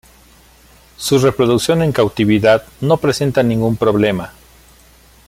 Su reproducción en cautividad no presenta ningún problema.